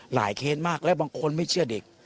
หลายเครนมากแล้วบางคนไม่เชื่อเด็ก